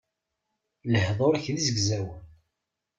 Lehdur-ik d izegzawen.